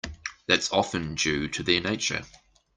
That's often due to their nature.